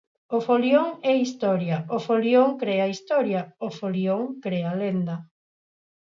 O Folión é historia; o Folión crea historia, o Folión crea lenda.